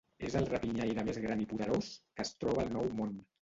És el rapinyaire més gran i poderós que es troba al Nou Món.